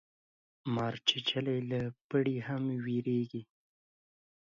مار چیچلی له پړي هم ویریږي